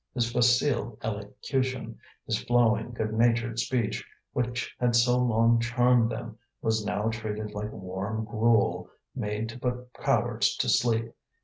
His facile elocution, his flowing, good natured speech, which had so long charmed them, was now treated like warm gruel made to put cowards to sleep.